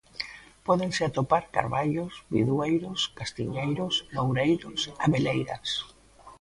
Pódense atopar carballos, bidueiros, castiñeiros, loureiros, abeleiras.